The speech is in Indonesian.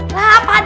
lah pak d